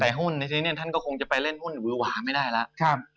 หุ้นในทีนี้ท่านก็คงจะไปเล่นหุ้นหวือหวาไม่ได้แล้ว